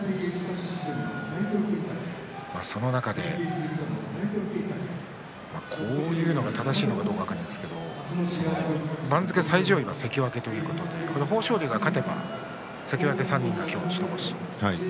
その中で、こういうのが正しいか分かりませんが番付最上位で関脇ということで豊昇龍が勝てば関脇３人が白星です。